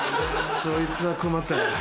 そいつは困ったな。